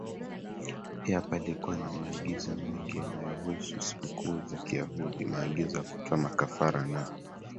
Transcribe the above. Pia palikuwa na maagizo mengi yanayohusu sikukuu za kiyahudi maagizo ya kutoa makafara na